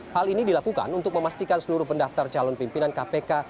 hal ini dilakukan untuk memastikan seluruh pendaftar calon pimpinan kpk